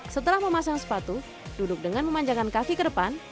setelah memasang sepatu duduk dengan memanjakan kaki ke depan